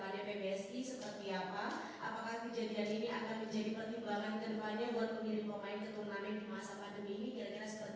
apakah kejadian ini akan menjadi pertimbangan kedepannya buat pemilik pemain keturnamen di masa pandemi ini